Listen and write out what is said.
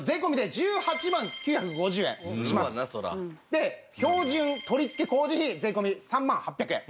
で標準取付工事費税込３万８００円。